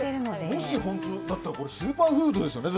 もし、本当だったらスーパーフードですよね。